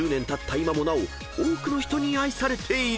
今もなお多くの人に愛されている］